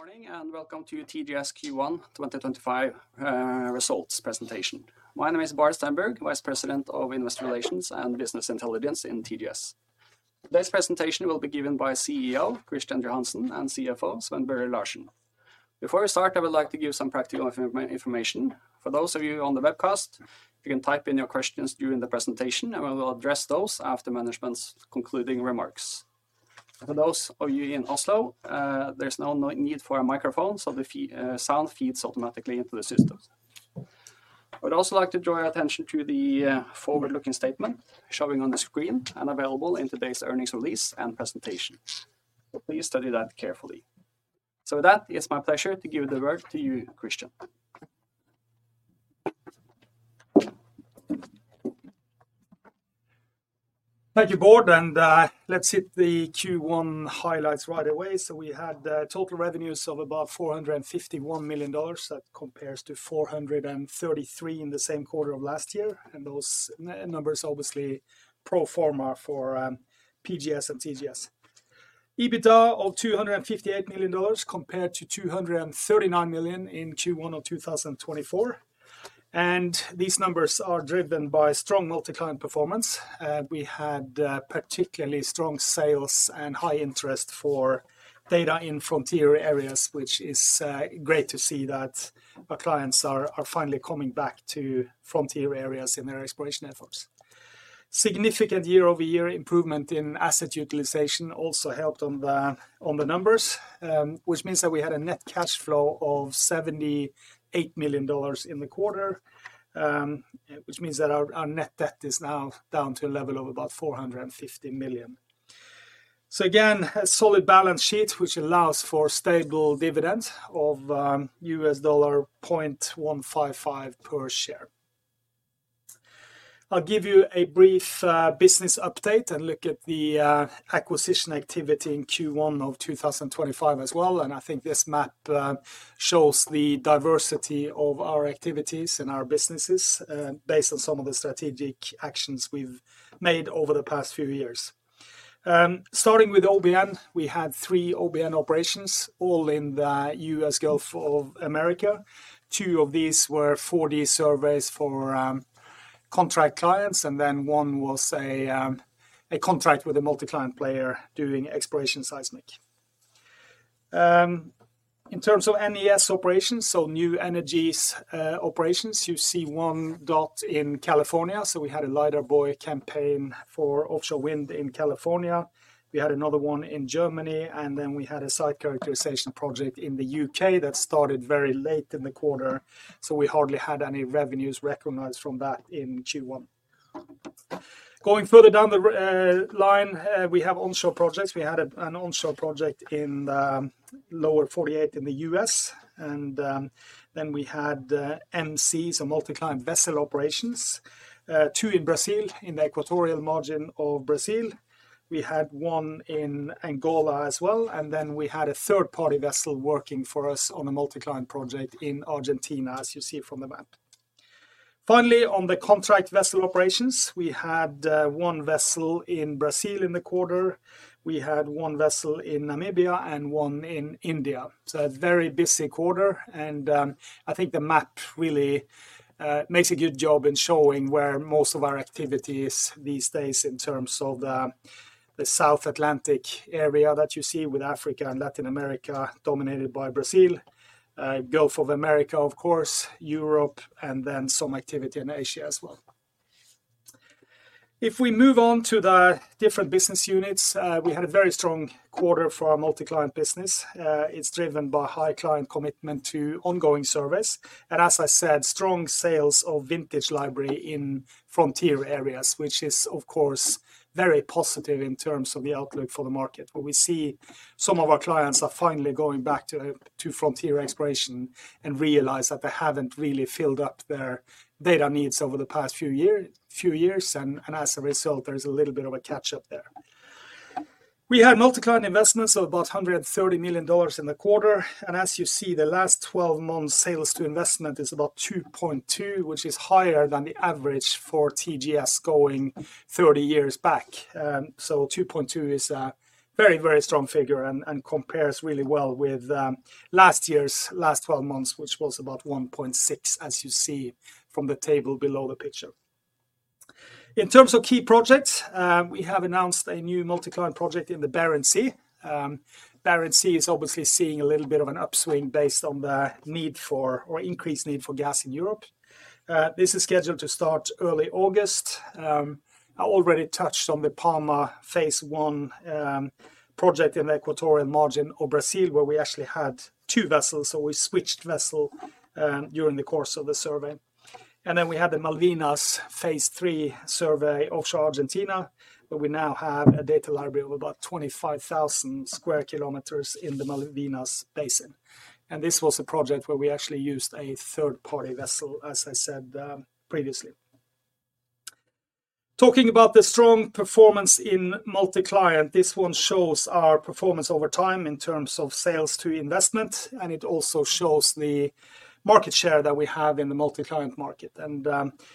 Good morning and welcome to TGS Q1 2025 results presentation. My name is Bård Stenberg, Vice President of Investor Relations and Business Intelligence in TGS. Today's presentation will be given by CEO Kristian Johansen and CFO Sven Børre Larsen. Before we start, I would like to give some practical information. For those of you on the webcast, you can type in your questions during the presentation, and we will address those after management's concluding remarks. For those of you in Oslo, there is no need for a microphone, so the sound feeds automatically into the system. I would also like to draw your attention to the forward-looking statement showing on the screen and available in today's earnings release and presentation. Please study that carefully. With that, it's my pleasure to give the word to you, Kristian. Thank you, Bård. Let's hit the Q1 highlights right away. We had total revenues of about $451 million. That compares to $433 million in the same quarter of last year. Those numbers are obviously pro forma for PGS and TGS. EBITDA of $258 million compared to $239 million in Q1 of 2024. These numbers are driven by strong multi-client performance. We had particularly strong sales and high interest for data in frontier areas, which is great to see that our clients are finally coming back to frontier areas in their exploration efforts. Significant year-over-year improvement in asset utilization also helped on the numbers, which means that we had a net cash flow of $78 million in the quarter, which means that our net debt is now down to a level of about $450 million. Again, a solid balance sheet, which allows for stable dividends of $0.155 per share. I'll give you a brief business update and look at the acquisition activity in Q1 of 2025 as well. I think this map shows the diversity of our activities and our businesses based on some of the strategic actions we've made over the past few years. Starting with OBN, we had three OBN operations, all in the U.S. Gulf of America. Two of these were 4D surveys for contract clients, and then one was a contract with a multi-client player doing exploration seismic. In terms of NES operations, so new energy solutions operations, you see one dot in California. We had a LiDAR campaign for offshore wind in California. We had another one in Germany, and then we had a site characterization project in the U.K. that started very late in the quarter. So we hardly had any revenues recognized from that in Q1. Going further down the line, we have onshore projects. We had an onshore project in the Lower 48 in the U.S., and then we had MC, so multi-client vessel operations, two in Brazil, in the equatorial margin of Brazil. We had one in Angola as well, and then we had a third-party vessel working for us on a multi-client project in Argentina, as you see from the map. Finally, on the contract vessel operations, we had one vessel in Brazil in the quarter. We had one vessel in Namibia and one in India. So a very busy quarter. I think the map really makes a good job in showing where most of our activity is these days in terms of the South Atlantic area that you see with Africa and Latin America dominated by Brazil, Gulf of America, of course, Europe, and then some activity in Asia as well. If we move on to the different business units, we had a very strong quarter for our multi-client business. It's driven by high client commitment to ongoing service. As I said, strong sales of vintage library in frontier areas, which is, of course, very positive in terms of the outlook for the market. We see some of our clients are finally going back to frontier exploration and realize that they haven't really filled up their data needs over the past few years. As a result, there's a little bit of a catch-up there. We had multi-client investments of about $130 million in the quarter. As you see, the last 12 months' sales-to-investment is about 2.2, which is higher than the average for TGS going 30 years back. 2.2 is a very, very strong figure and compares really well with last year's last 12 months, which was about 1.6, as you see from the table below the picture. In terms of key projects, we have announced a new multi-client project in the Barents Sea. Barents Sea is obviously seeing a little bit of an upswing based on the need for or increased need for gas in Europe. This is scheduled to start early August. I already touched on the Palma phase I project in the equatorial margin of Brazil, where we actually had two vessels. We switched vessels during the course of the survey. We had the Malvinas phase III survey offshore Argentina, where we now have a data library of about 25,000 sq km in the Malvinas Basin. This was a project where we actually used a third-party vessel, as I said previously. Talking about the strong performance in multi-client, this one shows our performance over time in terms of sales to investment, and it also shows the market share that we have in the multi-client market.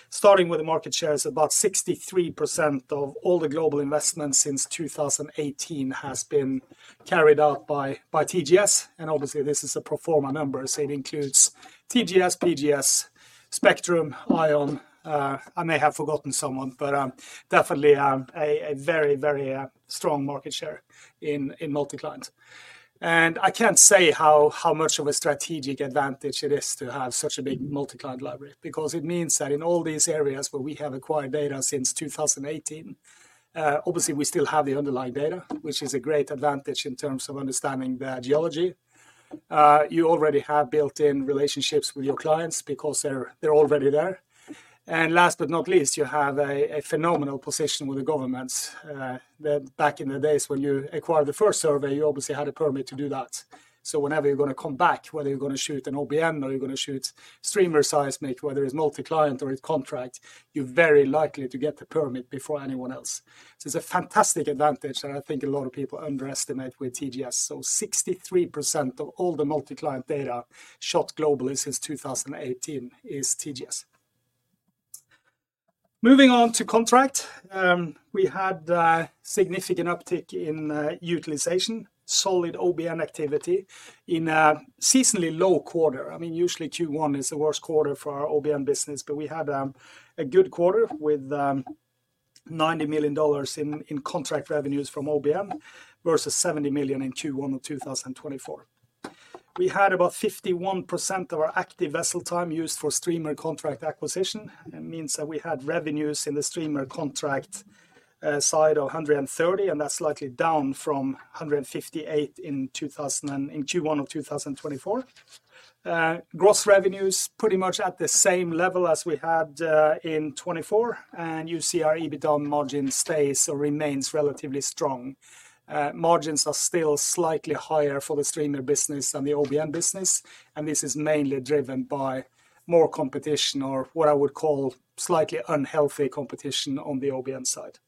Starting with the market share, about 63% of all the global investment since 2018 has been carried out by TGS. Obviously, this is a pro forma number, so it includes TGS, PGS, Spectrum, ION. I may have forgotten someone, but definitely a very, very strong market share in multi-client. I can't say how much of a strategic advantage it is to have such a big multi-client library, because it means that in all these areas where we have acquired data since 2018, obviously we still have the underlying data, which is a great advantage in terms of understanding the geology. You already have built-in relationships with your clients because they're already there. Last but not least, you have a phenomenal position with the governments. Back in the days when you acquired the first survey, you obviously had a permit to do that. Whenever you're going to come back, whether you're going to shoot an OBN or you're going to shoot streamer seismic, whether it's multi-client or it's contract, you're very likely to get the permit before anyone else. It is a fantastic advantage that I think a lot of people underestimate with TGS. Sixty-three percent of all the multi-client data shot globally since 2018 is TGS. Moving on to contract, we had a significant uptick in utilization, solid OBN activity in a seasonally low quarter. I mean, usually Q1 is the worst quarter for our OBN business, but we had a good quarter with $90 million in contract revenues from OBN versus $70 million in Q1 of 2024. We had about 51% of our active vessel time used for streamer contract acquisition. It means that we had revenues in the streamer contract side of $130 million, and that is slightly down from $158 million in Q1 of 2024. Gross revenues pretty much at the same level as we had in 2024. You see our EBITDA margin stays or remains relatively strong. Margins are still slightly higher for the streamer business than the OBN business. This is mainly driven by more competition or what I would call slightly unhealthy competition on the OBN side.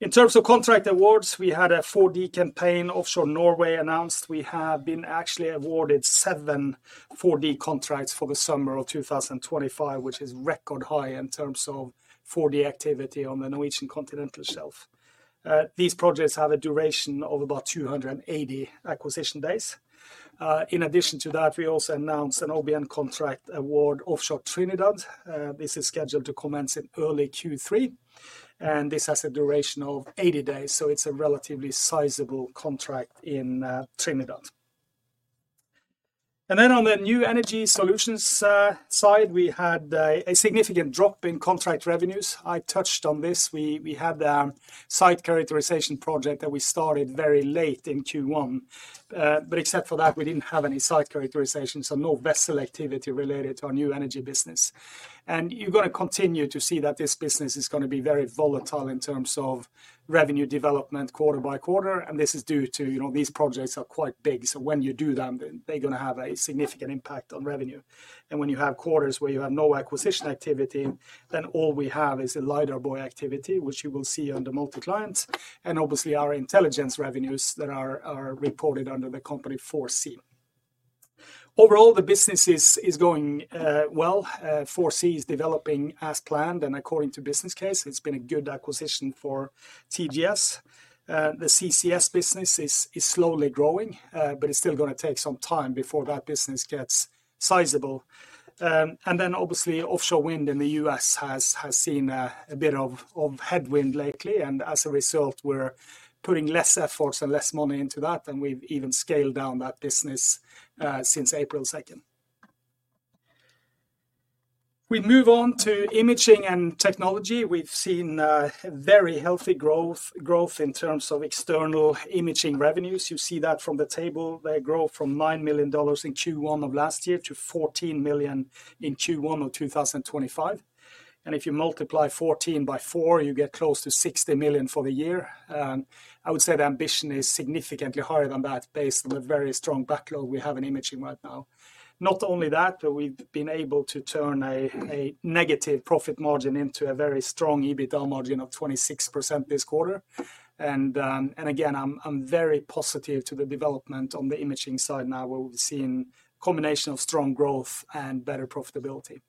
In terms of contract awards, we had a 4D campaign offshore Norway announced. We have been actually awarded seven 4D contracts for the summer of 2025, which is record high in terms of 4D activity on the Norwegian continental shelf. These projects have a duration of about 280 acquisition days. In addition to that, we also announced an OBN contract award offshore Trinidad. This is scheduled to commence in early Q3. This has a duration of 80 days. It is a relatively sizable contract in Trinidad. On the new energy solutions side, we had a significant drop in contract revenues. I touched on this. We had a site characterization project that we started very late in Q1. Except for that, we did not have any site characterization, so no vessel activity related to our new energy business. You are going to continue to see that this business is going to be very volatile in terms of revenue development quarter by quarter. This is due to these projects being quite big. When you do them, they are going to have a significant impact on revenue. When you have quarters where you have no acquisition activity, then all we have is a LiDAR activity, which you will see under multi-client. Obviously, our intelligence revenues are reported under the company 4C. Overall, the business is going well. 4C is developing as planned. According to the business case, it has been a good acquisition for TGS. The CCS business is slowly growing, but it is still going to take some time before that business gets sizable. Obviously, offshore wind in the US has seen a bit of headwind lately. As a result, we're putting less effort and less money into that. We've even scaled down that business since April 2nd. We move on to imaging and technology. We've seen very healthy growth in terms of external imaging revenues. You see that from the table. They grow from $9 million in Q1 of last year to $14 million in Q1 of 2025. If you multiply 14 by four, you get close to $60 million for the year. I would say the ambition is significantly higher than that based on the very strong backlog we have in imaging right now. Not only that, but we've been able to turn a negative profit margin into a very strong EBITDA margin of 26% this quarter. I am very positive to the development on the imaging side now, where we have seen a combination of strong growth and better profitability.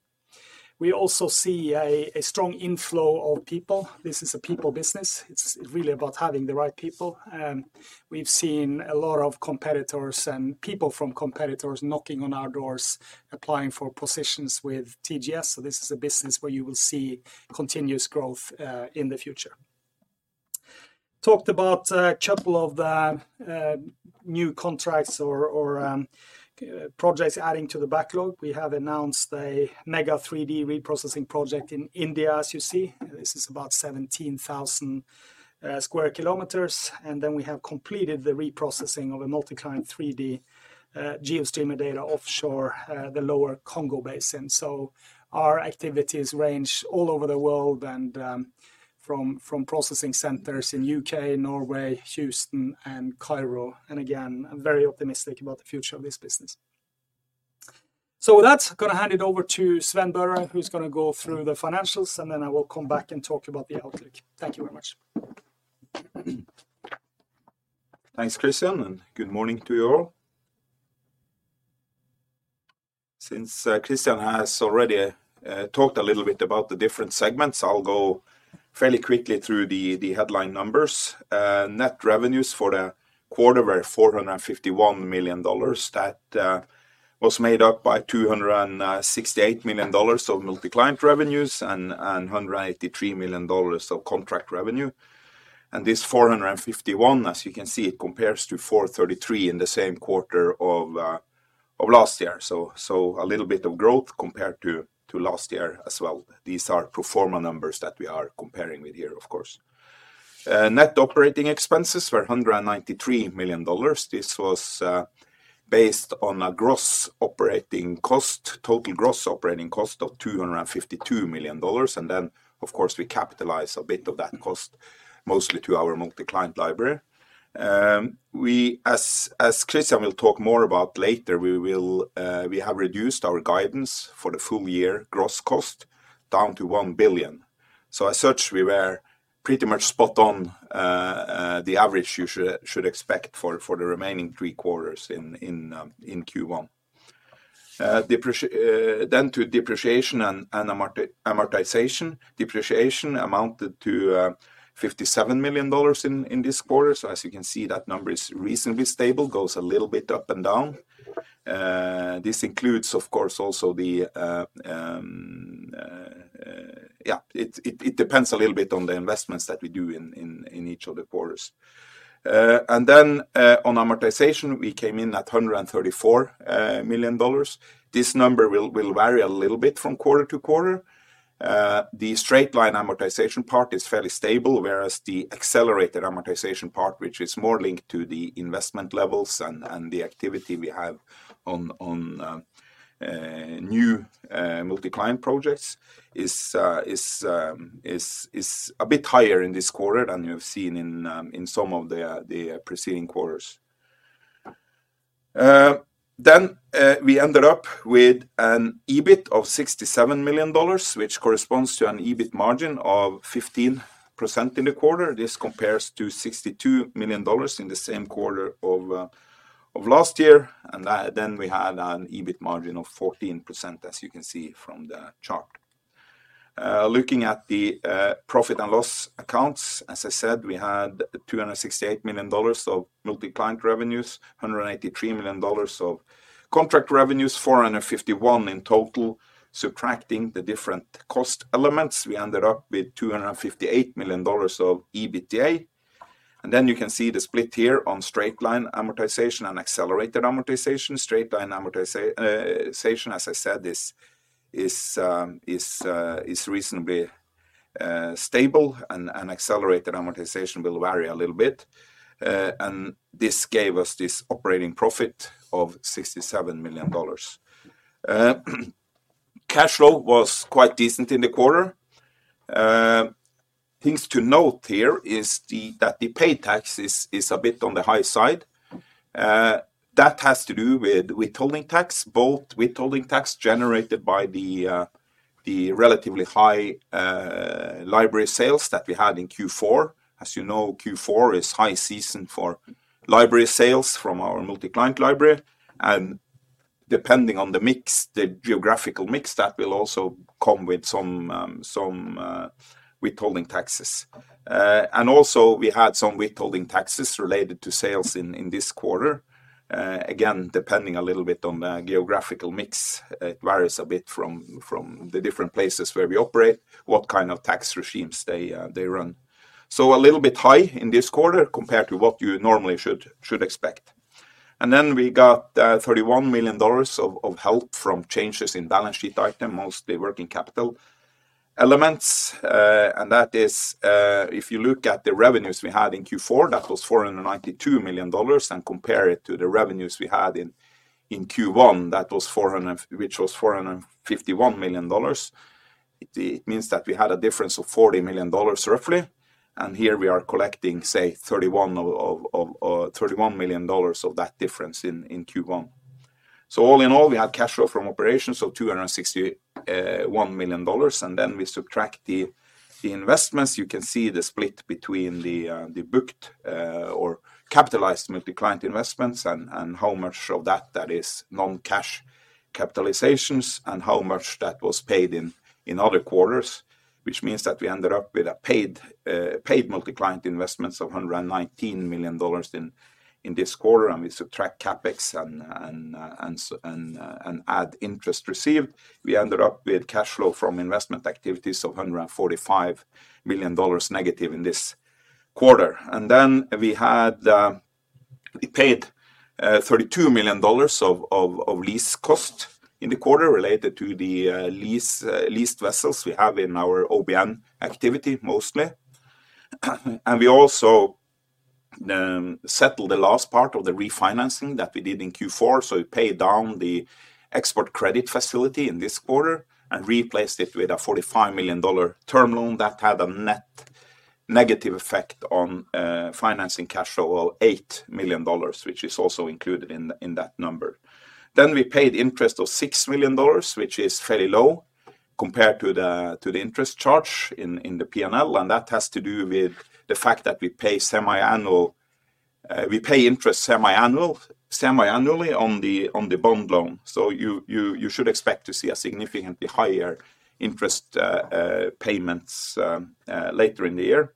We also see a strong inflow of people. This is a people business. It is really about having the right people. We have seen a lot of competitors and people from competitors knocking on our doors, applying for positions with TGS. This is a business where you will see continuous growth in the future. Talked about a couple of the new contracts or projects adding to the backlog. We have announced a mega 3D reprocessing project in India, as you see. This is about 17,000 sq km. We have completed the reprocessing of a multi-client 3D GeoStreamer data offshore the Lower Congo Basin. Our activities range all over the world and from processing centers in the U.K., Norway, Houston, and Cairo. Again, I'm very optimistic about the future of this business. With that, I'm going to hand it over to Sven Børre, who's going to go through the financials, and then I will come back and talk about the outlook. Thank you very much. Thanks, Kristian, and good morning to you all. Since Kristian has already talked a little bit about the different segments, I'll go fairly quickly through the headline numbers. Net revenues for the quarter were $451 million. That was made up by $268 million of multi-client revenues and $183 million of contract revenue. This $451 million, as you can see, compares to $433 million in the same quarter of last year. A little bit of growth compared to last year as well. These are pro forma numbers that we are comparing with here, of course. Net operating expenses were $193 million. This was based on a gross operating cost, total gross operating cost of $252 million. Of course, we capitalize a bit of that cost, mostly to our multi-client library. As Kristian will talk more about later, we have reduced our guidance for the full year gross cost down to $1 billion. As such, we were pretty much spot on the average you should expect for the remaining three quarters in Q1. To depreciation and amortization. Depreciation amounted to $57 million in this quarter. As you can see, that number is reasonably stable, goes a little bit up and down. This includes, of course, also the, yeah, it depends a little bit on the investments that we do in each of the quarters. On amortization, we came in at $134 million. This number will vary a little bit from quarter to quarter. The straight line amortization part is fairly stable, whereas the accelerated amortization part, which is more linked to the investment levels and the activity we have on new multi-client projects, is a bit higher in this quarter than you've seen in some of the preceding quarters. We ended up with an EBIT of $67 million, which corresponds to an EBIT margin of 15% in the quarter. This compares to $62 million in the same quarter of last year. We had an EBIT margin of 14%, as you can see from the chart. Looking at the profit and loss accounts, as I said, we had $268 million of multi-client revenues, $183 million of contract revenues, $451 million in total. Subtracting the different cost elements, we ended up with $258 million of EBITDA. You can see the split here on straight line amortization and accelerated amortization. Straight-line amortization, as I said, is reasonably stable, and accelerated amortization will vary a little bit. This gave us this operating profit of $67 million. Cash flow was quite decent in the quarter. Things to note here is that the pay tax is a bit on the high side. That has to do with withholding tax, both withholding tax generated by the relatively high library sales that we had in Q4. As you know, Q4 is high season for library sales from our multi-client library. Depending on the geographical mix, that will also come with some withholding taxes. Also, we had some withholding taxes related to sales in this quarter. Again, depending a little bit on the geographical mix, it varies a bit from the different places where we operate, what kind of tax regimes they run. A little bit high in this quarter compared to what you normally should expect. We got $31 million of help from changes in balance sheet item, mostly working capital elements. If you look at the revenues we had in Q4, that was $492 million. Compare it to the revenues we had in Q1, which was $451 million. It means that we had a difference of $40 million roughly. Here we are collecting, say, $31 million of that difference in Q1. All in all, we had cash flow from operations of $261 million. We subtract the investments. You can see the split between the booked or capitalized multi-client investments and how much of that is non-cash capitalizations and how much that was paid in other quarters, which means that we ended up with a paid multi-client investments of $119 million in this quarter. We subtract CapEx and add interest received. We ended up with cash flow from investment activities of $145 million negative in this quarter. We had paid $32 million of lease cost in the quarter related to the leased vessels we have in our OBN activity mostly. We also settled the last part of the refinancing that we did in Q4. We paid down the export credit facility in this quarter and replaced it with a $45 million term loan that had a net negative effect on financing cash of $8 million, which is also included in that number. We paid interest of $6 million, which is fairly low compared to the interest charge in the P&L. That has to do with the fact that we pay interest semi-annually on the bond loan. You should expect to see significantly higher interest payments later in the year.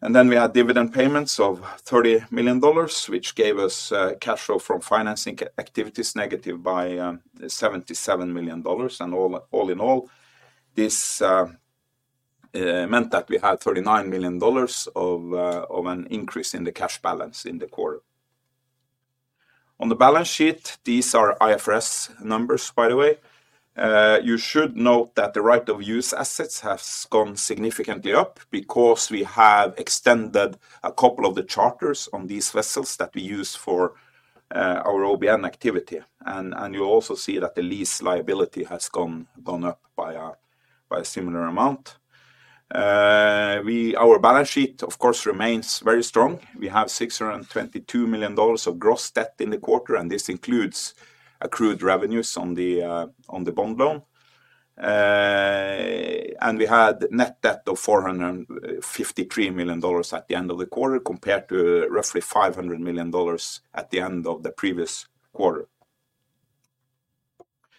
We had dividend payments of $30 million, which gave us cash flow from financing activities negative by $77 million. All in all, this meant that we had $39 million of an increase in the cash balance in the quarter. On the balance sheet, these are IFRS numbers, by the way. You should note that the right of use assets have gone significantly up because we have extended a couple of the charters on these vessels that we use for our OBN activity. You will also see that the lease liability has gone up by a similar amount. Our balance sheet, of course, remains very strong. We have $622 million of gross debt in the quarter, and this includes accrued revenues on the bond loan. We had net debt of $453 million at the end of the quarter compared to roughly $500 million at the end of the previous quarter.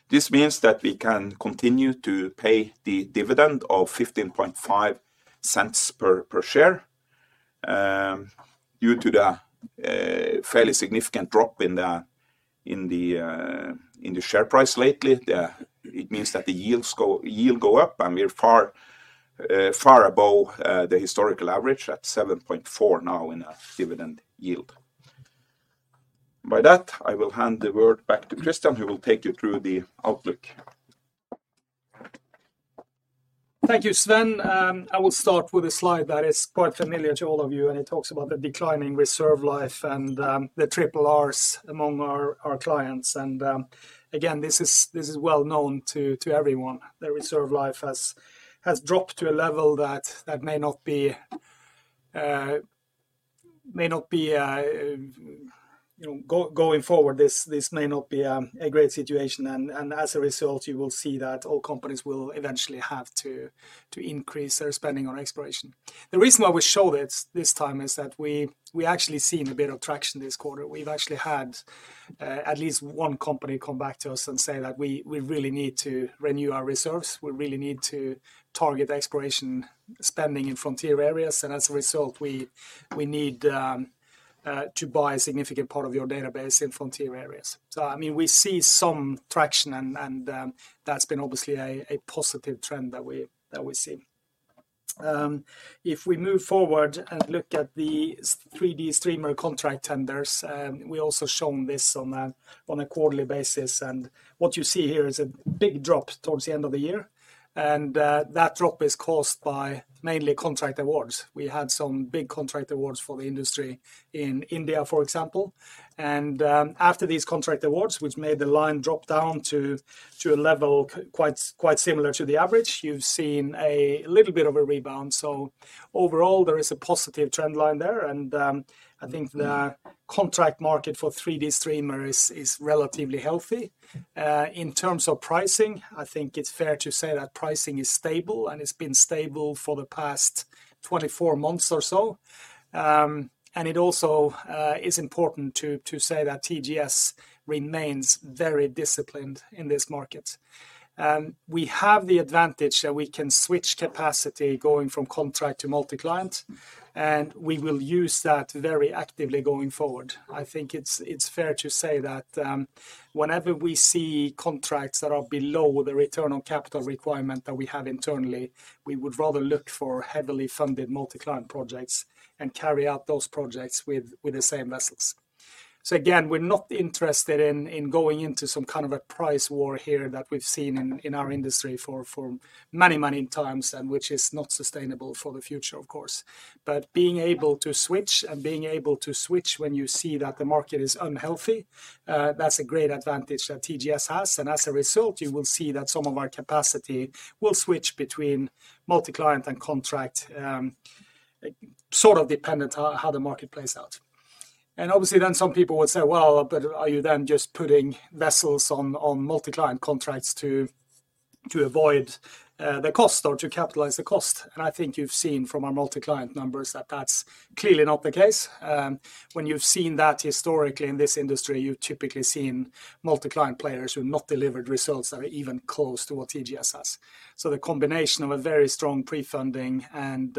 This means that we can continue to pay the dividend of $0.155 per share. Due to the fairly significant drop in the share price lately, it means that the yields go up, and we are far above the historical average at 7.4% now in a dividend yield. With that, I will hand the word back to Kristian, who will take you through the outlook. Thank you, Sven. I will start with a slide that is quite familiar to all of you, and it talks about the declining reserve life and the triple Rs among our clients. This is well known to everyone. The reserve life has dropped to a level that may not be, going forward, this may not be a great situation. As a result, you will see that all companies will eventually have to increase their spending on exploration. The reason why we showed it this time is that we actually have seen a bit of traction this quarter. We've actually had at least one company come back to us and say that we really need to renew our reserves. We really need to target exploration spending in frontier areas. As a result, we need to buy a significant part of your database in frontier areas. I mean, we see some traction, and that's been obviously a positive trend that we see. If we move forward and look at the 3D streamer contract tenders, we also show this on a quarterly basis. What you see here is a big drop towards the end of the year. That drop is caused by mainly contract awards. We had some big contract awards for the industry in India, for example. After these contract awards, which made the line drop down to a level quite similar to the average, you've seen a little bit of a rebound. Overall, there is a positive trend line there. I think the contract market for 3D streamer is relatively healthy. In terms of pricing, I think it's fair to say that pricing is stable, and it's been stable for the past 24 months or so. It also is important to say that TGS remains very disciplined in this market. We have the advantage that we can switch capacity going from contract to multi-client, and we will use that very actively going forward. I think it's fair to say that whenever we see contracts that are below the return on capital requirement that we have internally, we would rather look for heavily funded multi-client projects and carry out those projects with the same vessels. Again, we're not interested in going into some kind of a price war here that we've seen in our industry for many, many times, which is not sustainable for the future, of course. Being able to switch and being able to switch when you see that the market is unhealthy, that's a great advantage that TGS has. As a result, you will see that some of our capacity will switch between multi-client and contract, sort of dependent on how the market plays out. Obviously, then some people would say, are you then just putting vessels on multi-client contracts to avoid the cost or to capitalize the cost? I think you've seen from our multi-client numbers that that's clearly not the case. When you've seen that historically in this industry, you've typically seen multi-client players who have not delivered results that are even close to what TGS has. The combination of a very strong pre-funding and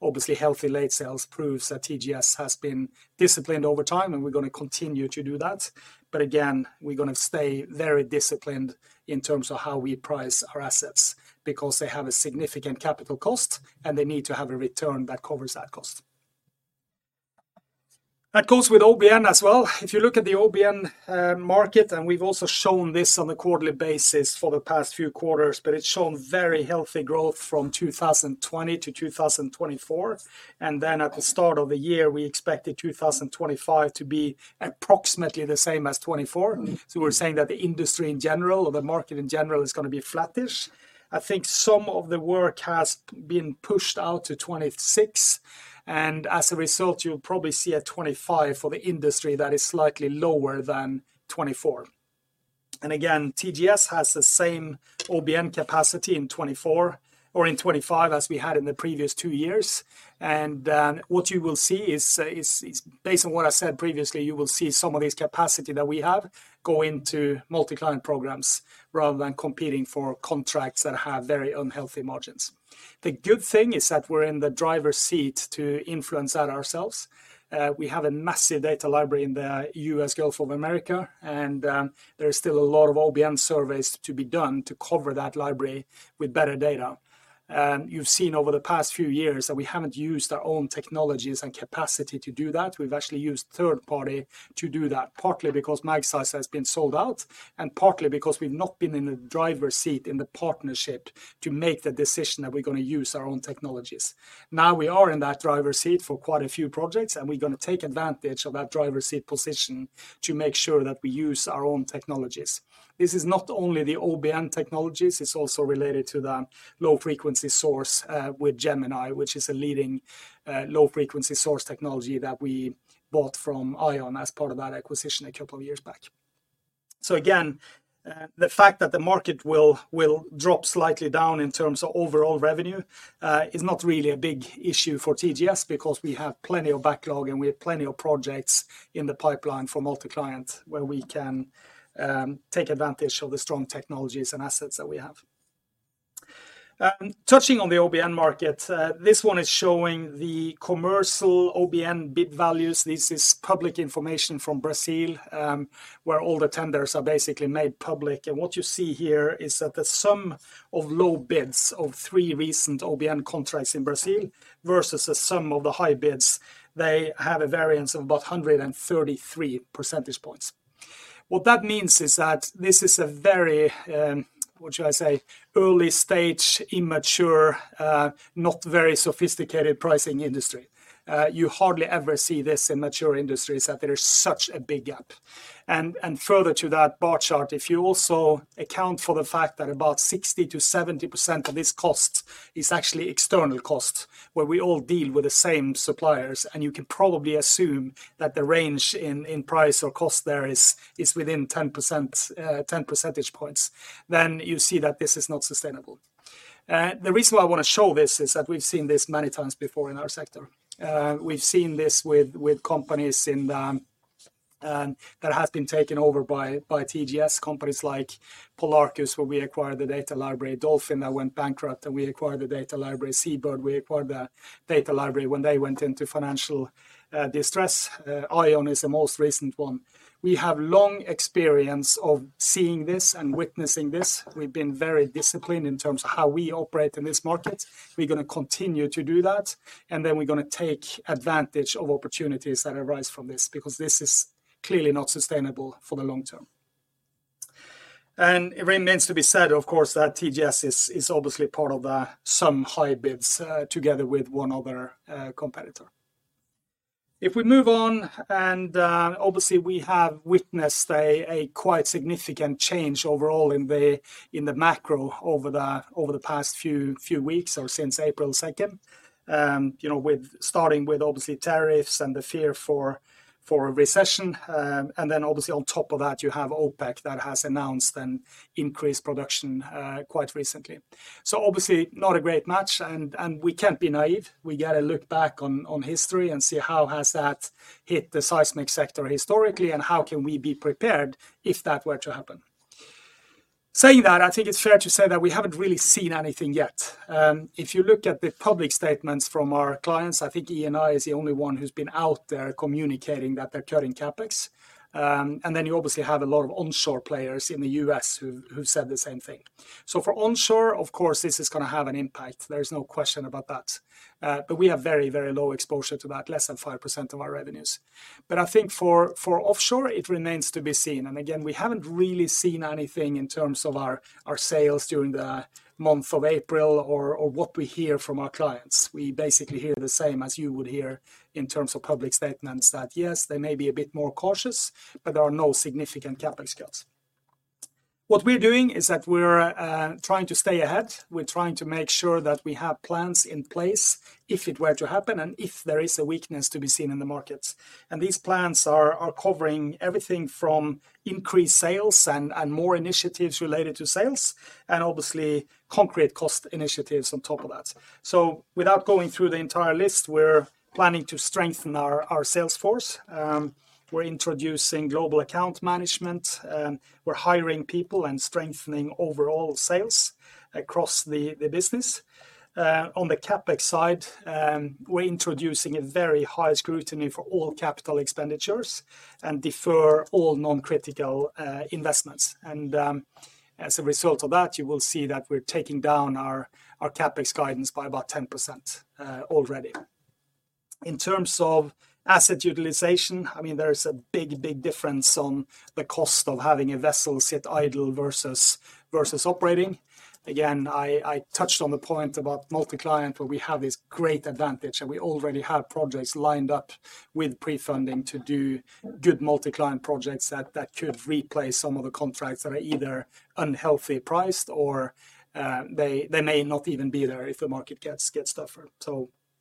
obviously healthy late sales proves that TGS has been disciplined over time, and we're going to continue to do that. Again, we're going to stay very disciplined in terms of how we price our assets because they have a significant capital cost, and they need to have a return that covers that cost. That goes with OBN as well. If you look at the OBN market, and we've also shown this on a quarterly basis for the past few quarters, but it's shown very healthy growth from 2020 to 2024. At the start of the year, we expected 2025 to be approximately the same as 2024. We're saying that the industry in general, or the market in general, is going to be flattish. I think some of the work has been pushed out to 2026. As a result, you'll probably see a 2025 for the industry that is slightly lower than 2024. TGS has the same OBN capacity in 2024 or in 2025 as we had in the previous two years. What you will see is, based on what I said previously, you will see some of this capacity that we have go into multi-client programs rather than competing for contracts that have very unhealthy margins. The good thing is that we're in the driver's seat to influence that ourselves. We have a massive data library in the U.S. Gulf of America, and there are still a lot of OBN surveys to be done to cover that library with better data. You've seen over the past few years that we haven't used our own technologies and capacity to do that. We've actually used third party to do that, partly because Magseis has been sold out and partly because we've not been in the driver's seat in the partnership to make the decision that we're going to use our own technologies. Now we are in that driver's seat for quite a few projects, and we're going to take advantage of that driver's seat position to make sure that we use our own technologies. This is not only the OBN technologies. It's also related to the low-frequency source with Gemini, which is a leading low-frequency source technology that we bought from ION as part of that acquisition a couple of years back. Again, the fact that the market will drop slightly down in terms of overall revenue is not really a big issue for TGS because we have plenty of backlog and we have plenty of projects in the pipeline for multi-client where we can take advantage of the strong technologies and assets that we have. Touching on the OBN market, this one is showing the commercial OBN bid values. This is public information from Brazil where all the tenders are basically made public. What you see here is that the sum of low bids of three recent OBN contracts in Brazil versus the sum of the high bids, they have a variance of about 133 percentage points. What that means is that this is a very, what should I say, early stage, immature, not very sophisticated pricing industry. You hardly ever see this in mature industries that there is such a big gap. Further to that bar chart, if you also account for the fact that about 60%-70% of this cost is actually external cost where we all deal with the same suppliers, and you can probably assume that the range in price or cost there is within 10 percentage points, you see that this is not sustainable. The reason why I want to show this is that we've seen this many times before in our sector. We've seen this with companies that have been taken over by TGS, companies like Polarcus, where we acquired the data library, Dolphin that went bankrupt, and we acquired the data library, Seabird, we acquired the data library when they went into financial distress. ION is the most recent one. We have long experience of seeing this and witnessing this. We've been very disciplined in terms of how we operate in this market. We're going to continue to do that. We are going to take advantage of opportunities that arise from this because this is clearly not sustainable for the long term. It remains to be said, of course, that TGS is obviously part of some high bids together with one other competitor. If we move on, we have witnessed a quite significant change overall in the macro over the past few weeks or since April 2nd, starting with tariffs and the fear for a recession. On top of that, you have OPEC that has announced an increased production quite recently. Obviously not a great match. We can't be naive. We got to look back on history and see how has that hit the seismic sector historically and how can we be prepared if that were to happen. Saying that, I think it's fair to say that we haven't really seen anything yet. If you look at the public statements from our clients, I think E&I is the only one who's been out there communicating that they're cutting CapEx. You obviously have a lot of onshore players in the U.S. who said the same thing. For onshore, of course, this is going to have an impact. There is no question about that. We have very, very low exposure to that, less than 5% of our revenues. I think for offshore, it remains to be seen. Again, we have not really seen anything in terms of our sales during the month of April or what we hear from our clients. We basically hear the same as you would hear in terms of public statements that, yes, they may be a bit more cautious, but there are no significant CapEx cuts. What we are doing is that we are trying to stay ahead. We are trying to make sure that we have plans in place if it were to happen and if there is a weakness to be seen in the markets. These plans are covering everything from increased sales and more initiatives related to sales and obviously concrete cost initiatives on top of that. Without going through the entire list, we are planning to strengthen our sales force. We are introducing global account management. We are hiring people and strengthening overall sales across the business. On the CapEx side, we're introducing a very high scrutiny for all capital expenditures and defer all non-critical investments. As a result of that, you will see that we're taking down our CapEx guidance by about 10% already. In terms of asset utilization, I mean, there is a big, big difference on the cost of having a vessel sit idle versus operating. Again, I touched on the point about multi-client, but we have this great advantage that we already have projects lined up with pre-funding to do good multi-client projects that could replace some of the contracts that are either unhealthy priced or they may not even be there if the market gets tougher.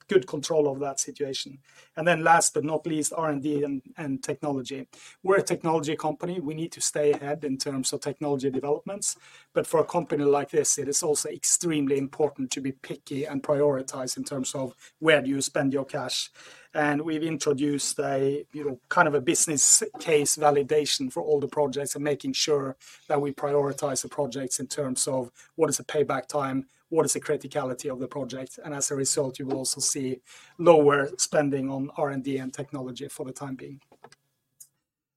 Good control of that situation. Last but not least, R&D and technology. We're a technology company. We need to stay ahead in terms of technology developments. For a company like this, it is also extremely important to be picky and prioritize in terms of where you spend your cash. We have introduced kind of a business case validation for all the projects and making sure that we prioritize the projects in terms of what is the payback time, what is the criticality of the project. As a result, you will also see lower spending on R&D and technology for the time being.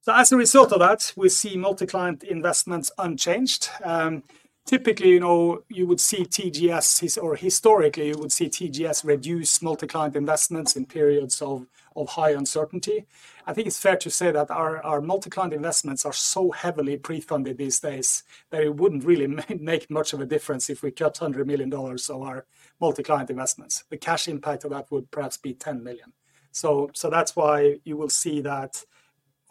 As a result of that, we see multi-client investments unchanged. Typically, you would see TGS, or historically, you would see TGS reduce multi-client investments in periods of high uncertainty. I think it is fair to say that our multi-client investments are so heavily pre-funded these days that it would not really make much of a difference if we cut $100 million of our multi-client investments. The cash impact of that would perhaps be $10 million. That is why you will see that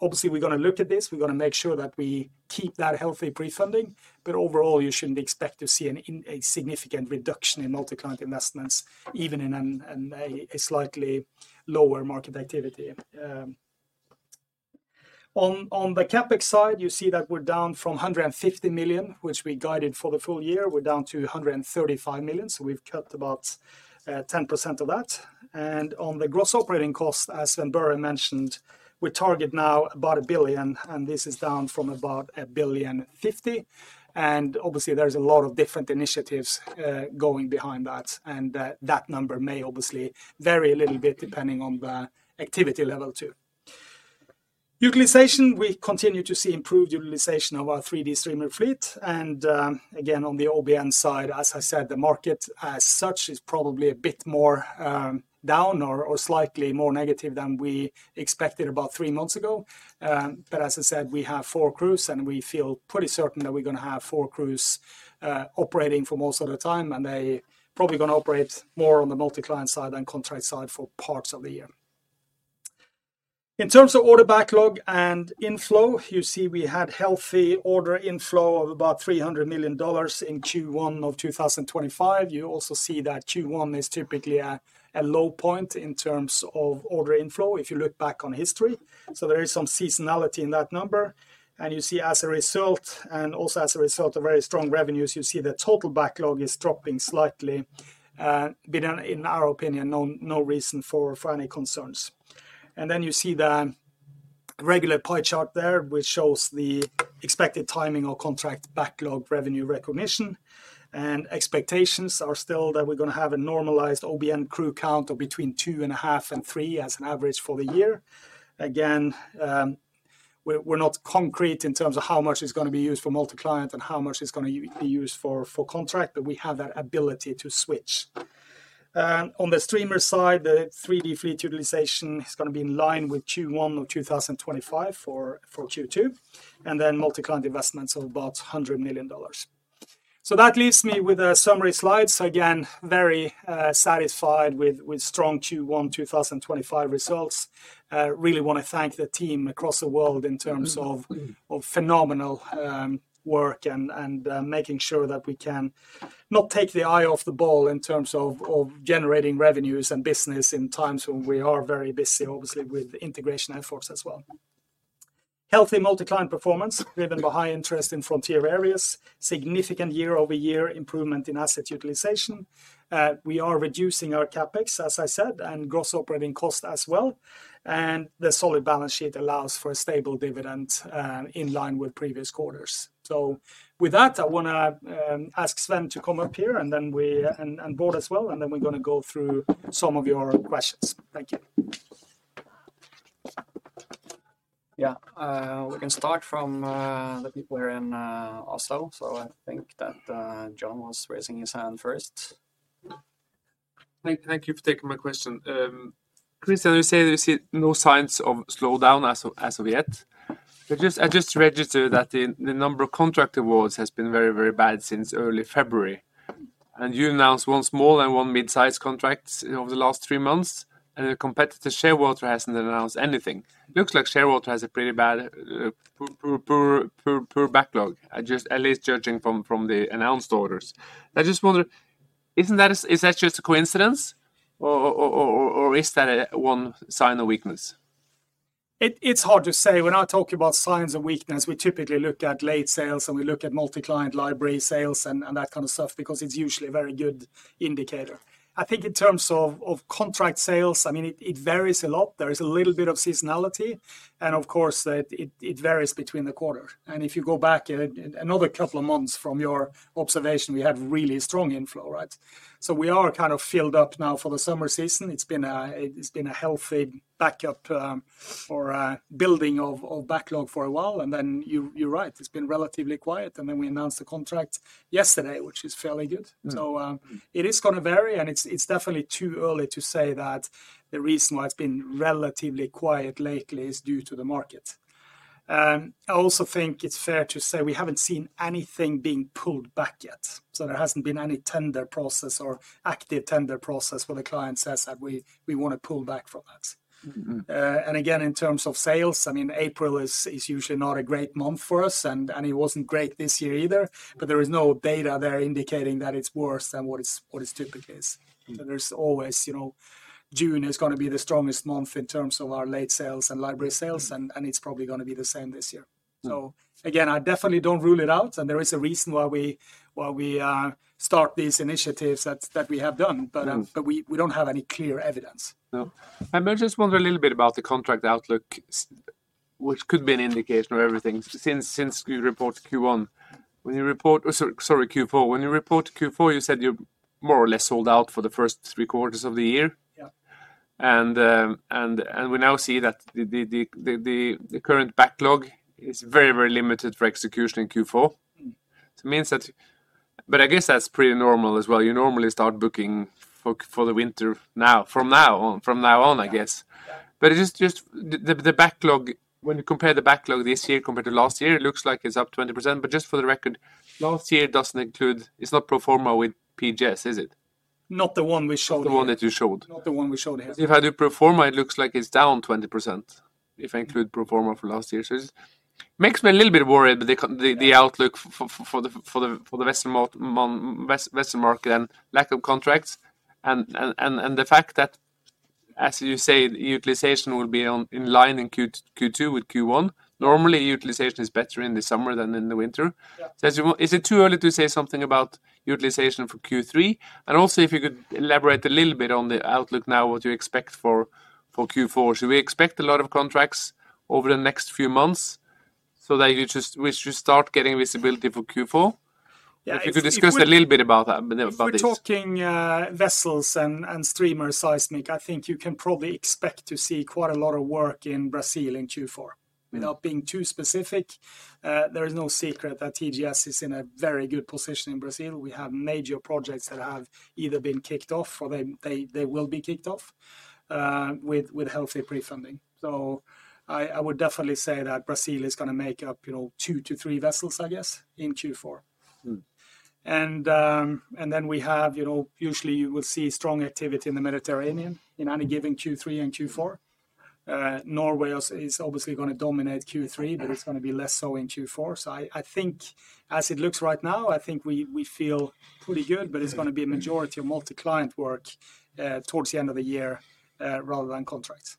obviously we are going to look at this. We are going to make sure that we keep that healthy pre-funding. Overall, you should not expect to see a significant reduction in multi-client investments, even in a slightly lower market activity. On the CapEx side, you see that we are down from $150 million, which we guided for the full year. We are down to $135 million. We have cut about 10% of that. On the gross operating cost, as Sven Børre mentioned, we target now about $1 billion, and this is down from about $1.5 billion. Obviously, there are a lot of different initiatives going behind that. That number may obviously vary a little bit depending on the activity level too. Utilization, we continue to see improved utilization of our 3D streamer fleet. Again, on the OBN side, as I said, the market as such is probably a bit more down or slightly more negative than we expected about three months ago. As I said, we have four crews, and we feel pretty certain that we're going to have four crews operating for most of the time. They're probably going to operate more on the multi-client side than contract side for parts of the year. In terms of order backlog and inflow, you see we had healthy order inflow of about $300 million in Q1 of 2025. You also see that Q1 is typically a low point in terms of order inflow if you look back on history. There is some seasonality in that number. You see as a result, and also as a result of very strong revenues, you see the total backlog is dropping slightly, but in our opinion, no reason for any concerns. You see the regular pie chart there, which shows the expected timing of contract backlog revenue recognition. Expectations are still that we're going to have a normalized OBN crew count of between two and a half and three as an average for the year. Again, we're not concrete in terms of how much is going to be used for multi-client and how much is going to be used for contract, but we have that ability to switch. On the streamer side, the 3D fleet utilization is going to be in line with Q1 of 2025 for Q2, and then multi-client investments of about $100 million. That leaves me with a summary slides. Again, very satisfied with strong Q1 2025 results. Really want to thank the team across the world in terms of phenomenal work and making sure that we can not take the eye off the ball in terms of generating revenues and business in times when we are very busy, obviously, with integration efforts as well. Healthy multi-client performance driven by high interest in frontier areas. Significant year-over-year improvement in asset utilization. We are reducing our CapEx, as I said, and gross operating cost as well. The solid balance sheet allows for a stable dividend in line with previous quarters. With that, I want to ask Sven to come up here and then we and Bård as well. Then we're going to go through some of your questions. Thank you. Yeah, we can start from the people here in Oslo. I think that John was raising his hand first. Thank you for taking my question. Kristian, you say there's no signs of slowdown as of yet. I just registered that the number of contract awards has been very, very bad since early February. You announced once more than one mid-size contract over the last three months. The competitor, Shearwater, hasn't announced anything. Looks like Shearwater has a pretty bad poor backlog, at least judging from the announced orders. I just wonder, isn't that just a coincidence? Or is that one sign of weakness? It's hard to say. When I talk about signs of weakness, we typically look at late sales and we look at multi-client library sales and that kind of stuff because it's usually a very good indicator. I think in terms of contract sales, I mean, it varies a lot. There is a little bit of seasonality. Of course, it varies between the quarters. If you go back another couple of months from your observation, we had really strong inflow, right? We are kind of filled up now for the summer season. It has been a healthy backup or building of backlog for a while. You are right, it has been relatively quiet. We announced the contract yesterday, which is fairly good. It is going to vary. It is definitely too early to say that the reason why it has been relatively quiet lately is due to the market. I also think it is fair to say we have not seen anything being pulled back yet. There has not been any tender process or active tender process where the client says that we want to pull back from that. Again, in terms of sales, I mean, April is usually not a great month for us. It was not great this year either. There is no data there indicating that it is worse than what it typically is. June is always going to be the strongest month in terms of our late sales and library sales. It is probably going to be the same this year. I definitely do not rule it out. There is a reason why we start these initiatives that we have done. We do not have any clear evidence. I may just wonder a little bit about the contract outlook, which could be an indication of everything since you reported Q1. When you report, sorry, Q4, when you report Q4, you said you are more or less sold out for the first three quarters of the year. We now see that the current backlog is very, very limited for execution in Q4. It means that, but I guess that's pretty normal as well. You normally start booking for the winter now, from now on, I guess. It's just the backlog, when you compare the backlog this year compared to last year, it looks like it's up 20%. Just for the record, last year doesn't include, it's not pro forma with PGS, is it? Not the one we showed. Not the one that you showed. Not the one we showed here. If I do pro forma, it looks like it's down 20% if I include pro forma for last year. It makes me a little bit worried about the outlook for the Western market and lack of contracts. The fact that, as you say, utilization will be in line in Q2 with Q1. Normally, utilization is better in the summer than in the winter. Is it too early to say something about utilization for Q3? Also, if you could elaborate a little bit on the outlook now, what do you expect for Q4? Should we expect a lot of contracts over the next few months so that you just start getting visibility for Q4? If you could discuss a little bit about this. We're talking vessels and streamer seismic. I think you can probably expect to see quite a lot of work in Brazil in Q4. Without being too specific, there is no secret that TGS is in a very good position in Brazil. We have major projects that have either been kicked off or they will be kicked off with healthy pre-funding. I would definitely say that Brazil is going to make up two to three vessels, I guess, in Q4. Then we have, usually you will see strong activity in the Mediterranean in any given Q3 and Q4. Norway is obviously going to dominate Q3, but it is going to be less so in Q4. I think, as it looks right now, I think we feel pretty good, but it is going to be a majority of multi-client work towards the end of the year rather than contracts.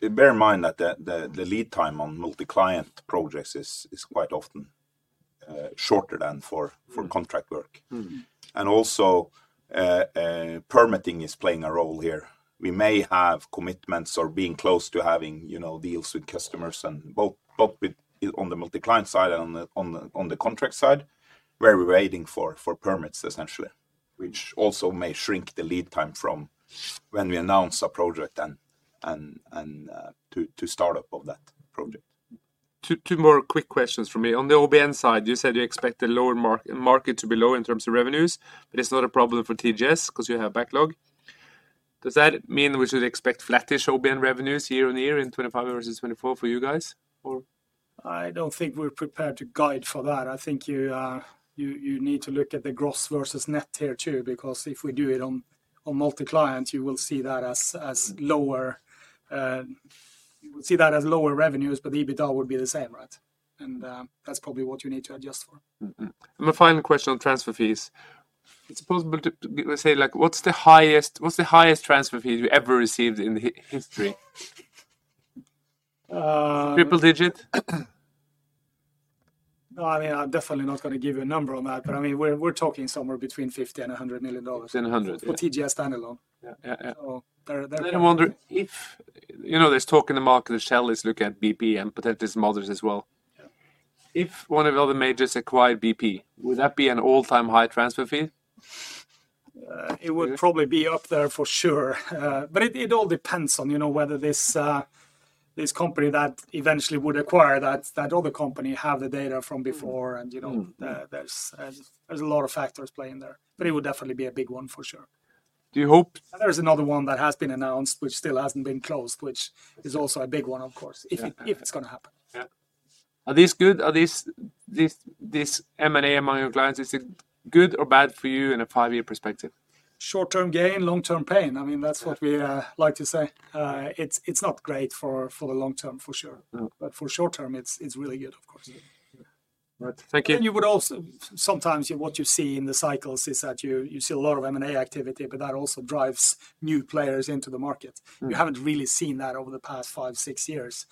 Bear in mind that the lead time on multi-client projects is quite often shorter than for contract work. Also, permitting is playing a role here. We may have commitments or be close to having deals with customers, both on the multi-client side and on the contract side, where we're waiting for permits, essentially, which also may shrink the lead time from when we announce a project to start up of that project. Two more quick questions for me. On the OBN side, you said you expect the lower market to be low in terms of revenues, but it's not a problem for TGS because you have backlog. Does that mean we should expect flattish OBN revenues year on year in 2025 versus 2024 for you guys? I don't think we're prepared to guide for that. I think you need to look at the gross versus net here too, because if we do it on multi-client, you will see that as lower. You will see that as lower revenues, but EBITDA would be the same, right? That's probably what you need to adjust for. My final question on transfer fees. Is it possible to say, what's the highest transfer fee you ever received in history? Triple digit? No, I mean, I'm definitely not going to give you a number on that, but I mean, we're talking somewhere between $50 million and $100 million. $50 million and $100 million. For TGS standalone. Yeah, yeah, yeah. I wonder if, you know, there's talk in the market that Shell is looking at BP and potential models as well. If one of the other majors acquired BP, would that be an all-time high transfer fee? It would probably be up there for sure. It all depends on whether this company that eventually would acquire that other company has the data from before. There is a lot of factors playing there. It would definitely be a big one for sure. Do you hope? There is another one that has been announced, which still has not been closed, which is also a big one, of course, if it is going to happen. Yeah. Are these good? Are these M&A among your clients? Is it good or bad for you in a five-year perspective? Short-term gain, long-term pain. I mean, that is what we like to say. It is not great for the long term, for sure. For short term, it is really good, of course. Thank you. You would also, sometimes what you see in the cycles is that you see a lot of M&A activity, but that also drives new players into the market. You have not really seen that over the past five, six years.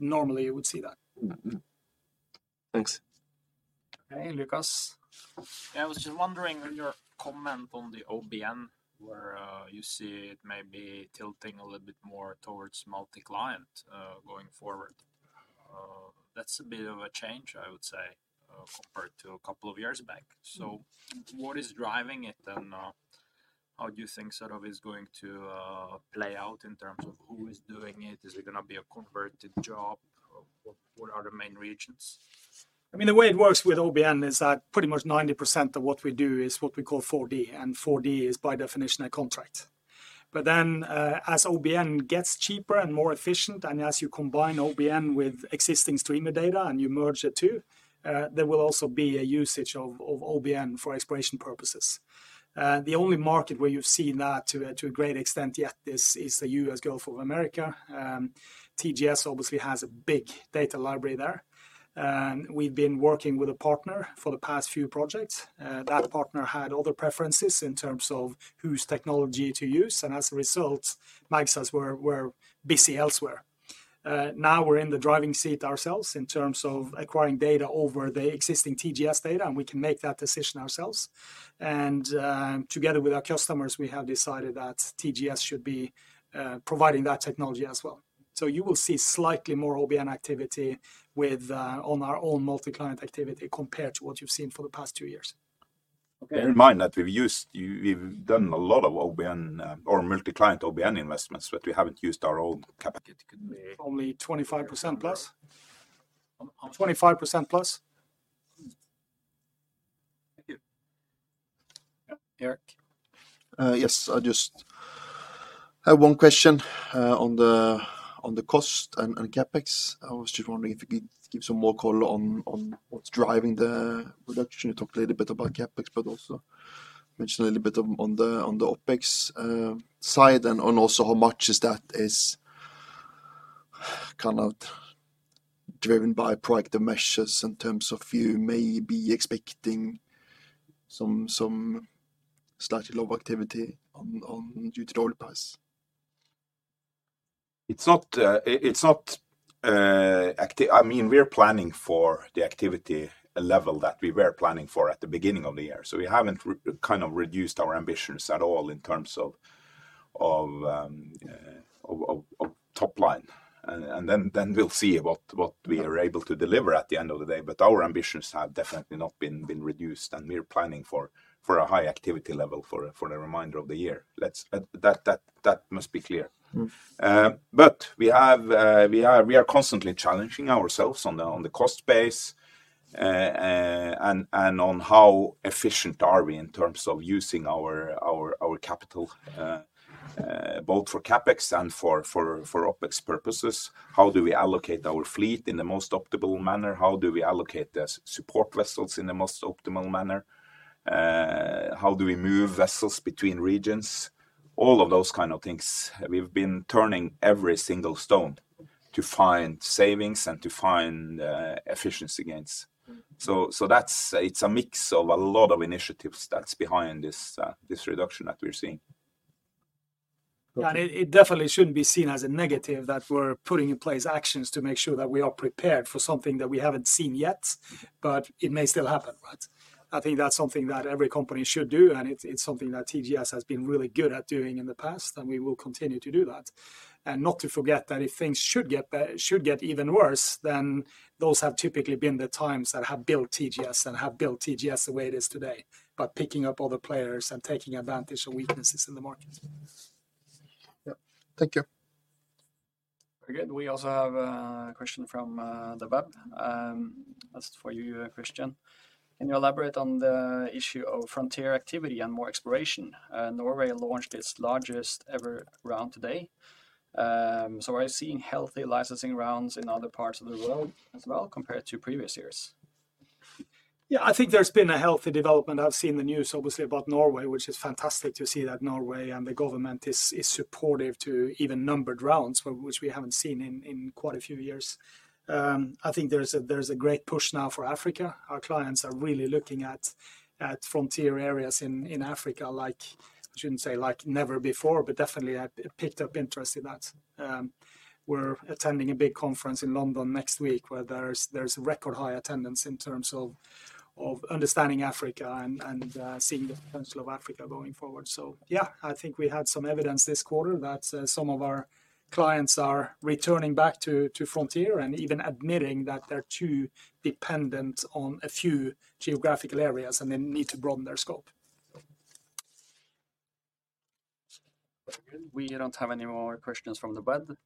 Normally, you would see that. Thanks. Okay, Lucas. Yeah, I was just wondering on your comment on the OBN, where you see it maybe tilting a little bit more towards multi-client going forward. That's a bit of a change, I would say, compared to a couple of years back. What is driving it and how do you think sort of is going to play out in terms of who is doing it? Is it going to be a converted job? What are the main regions? I mean, the way it works with OBN is that pretty much 90% of what we do is what we call 4D. 4D is by definition a contract. Then as OBN gets cheaper and more efficient, and as you combine OBN with existing streamer data and you merge it too, there will also be a usage of OBN for exploration purposes. The only market where you've seen that to a great extent yet is the U.S. Gulf of America. TGS obviously has a big data library there. We've been working with a partner for the past few projects. That partner had other preferences in terms of whose technology to use. As a result, Magseis were busy elsewhere. Now we're in the driving seat ourselves in terms of acquiring data over the existing TGS data, and we can make that decision ourselves. Together with our customers, we have decided that TGS should be providing that technology as well. You will see slightly more OBN activity on our own multi-client activity compared to what you've seen for the past two years. Bear in mind that we've done a lot of OBN or multi-client OBN investments, but we haven't used our own. It could be only 25% plus? 25% plus? Thank you. Erik? Yes, I just have one question on the cost and CapEx. I was just wondering if you could give some more color on what's driving the production. You talked a little bit about CapEx, but also mentioned a little bit on the OpEx side and also how much is that kind of driven by proactive measures in terms of you may be expecting some slightly lower activity due to the oil price? It's not active. I mean, we're planning for the activity level that we were planning for at the beginning of the year. We haven't kind of reduced our ambitions at all in terms of top line. We will see what we are able to deliver at the end of the day. Our ambitions have definitely not been reduced, and we're planning for a high activity level for the remainder of the year. That must be clear. We are constantly challenging ourselves on the cost base and on how efficient are we in terms of using our capital, both for CapEx and for OPEX purposes. How do we allocate our fleet in the most optimal manner? How do we allocate the support vessels in the most optimal manner? How do we move vessels between regions? All of those kinds of things. We have been turning every single stone to find savings and to find efficiency gains. It is a mix of a lot of initiatives that is behind this reduction that we are seeing. Yeah, it definitely should not be seen as a negative that we are putting in place actions to make sure that we are prepared for something that we have not seen yet, but it may still happen, right? I think that's something that every company should do, and it's something that TGS has been really good at doing in the past, and we will continue to do that. Not to forget that if things should get even worse, those have typically been the times that have built TGS and have built TGS the way it is today, by picking up other players and taking advantage of weaknesses in the market. Thank you. Very good. We also have a question from the web. That's for you, Kristian. Can you elaborate on the issue of frontier activity and more exploration? Norway launched its largest ever round today. Are you seeing healthy licensing rounds in other parts of the world as well compared to previous years? Yeah, I think there's been a healthy development. I've seen the news, obviously, about Norway, which is fantastic to see that Norway and the government is supportive to even numbered rounds, which we haven't seen in quite a few years. I think there's a great push now for Africa. Our clients are really looking at frontier areas in Africa, like, I shouldn't say like never before, but definitely picked up interest in that. We're attending a big conference in London next week where there's a record high attendance in terms of understanding Africa and seeing the potential of Africa going forward. Yeah, I think we had some evidence this quarter that some of our clients are returning back to frontier and even admitting that they're too dependent on a few geographical areas and they need to broaden their scope. We don't have any more questions from the web.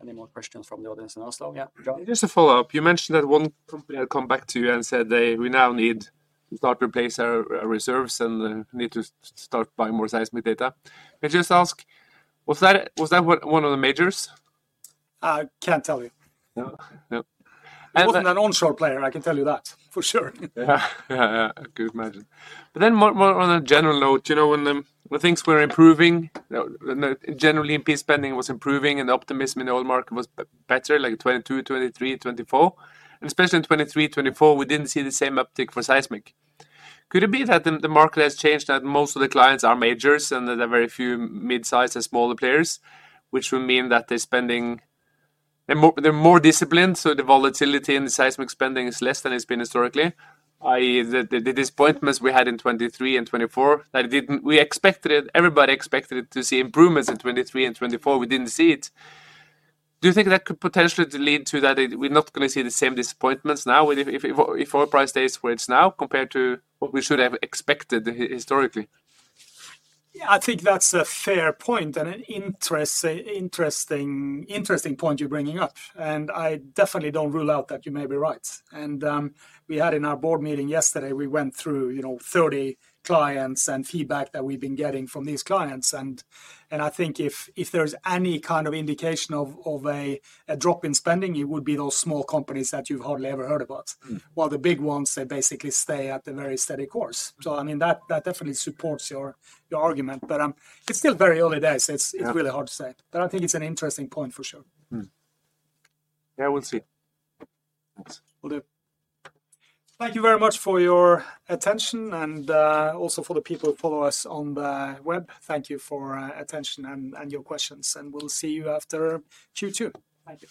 Any more questions from the audience in Oslo? Yeah, John? Just a follow-up. You mentioned that one company had come back to you and said they now need to start replacing reserves and need to start buying more seismic data. May I just ask, was that one of the majors? I can't tell you. It wasn't an onshore player, I can tell you that for sure. Yeah, yeah, yeah, I could imagine. On a general note, you know, when things were improving, generally E&P spending was improving and the optimism in the oil market was better, like 2022, 2023, 2024. Especially in 2023, 2024, we didn't see the same uptick for seismic. Could it be that the market has changed, that most of the clients are majors and there are very few mid-sized and smaller players, which would mean that they're spending, they're more disciplined, so the volatility in the seismic spending is less than it's been historically? I.e., the disappointments we had in 2023 and 2024, that we expected it, everybody expected it to see improvements in 2023 and 2024, we didn't see it. Do you think that could potentially lead to that we're not going to see the same disappointments now if oil price stays where it's now compared to what we should have expected historically? Yeah, I think that's a fair point and an interesting point you're bringing up. I definitely don't rule out that you may be right. We had in our board meeting yesterday, we went through 30 clients and feedback that we've been getting from these clients. I think if there's any kind of indication of a drop in spending, it would be those small companies that you've hardly ever heard about. While the big ones, they basically stay at the very steady course. I mean, that definitely supports your argument, but it's still very early days. It's really hard to say. I think it's an interesting point for sure. Yeah, we'll see. We'll do. Thank you very much for your attention and also for the people who follow us on the web. Thank you for attention and your questions, and we'll see you after Q2. Thank you.